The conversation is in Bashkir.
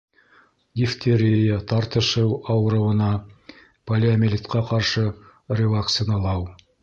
Дифтерия, тартышыу ауырыуына, полиомиелитҡа ҡаршы ревакциналау